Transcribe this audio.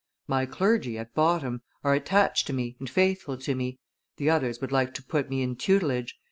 My clergy, at bottom, are attached to me and faithful to me; the others would like to put me in tutelage.